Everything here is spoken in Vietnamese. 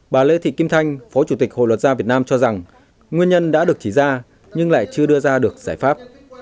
bà lê thị kim thanh phó chủ tịch hội luật gia việt nam cho rằng nguyên nhân đã được chỉ ra nhưng lại chưa đưa ra được giải pháp